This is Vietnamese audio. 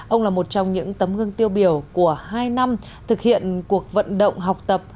ông là một trong những tấm gương tiêu biểu của hai năm thực hiện cuộc vận động học tập